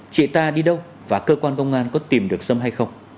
chị ta đi đâu và cơ quan công an có tìm được sâm hay không